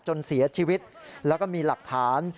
จนเสียชีวิตแล้วก็มีหลักฐาน